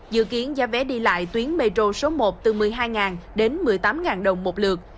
dự kiến giá vé đi lại tuyến metro số một từ một mươi hai đến một mươi tám đồng một lượt